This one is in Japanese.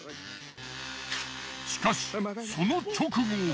しかしその直後。